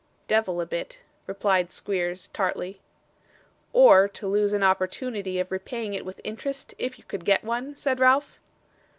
'Devil a bit,' replied Squeers, tartly. 'Or to lose an opportunity of repaying it with interest, if you could get one?' said Ralph.